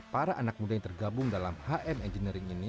para anak muda yang tergabung dalam hm engineering ini